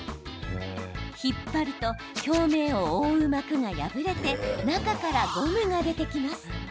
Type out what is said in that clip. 引っ張ると表面を覆う膜が破れて中からゴムが出てきます。